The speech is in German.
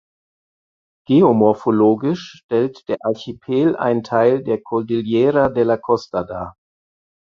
Geomorphologisch stellt der Archipel einen Teil der Cordillera de la Costa dar.